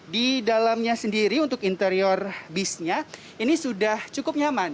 di dalamnya sendiri untuk interior bisnya ini sudah cukup nyaman